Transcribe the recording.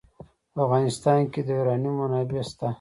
په افغانستان کې د یورانیم منابع شته.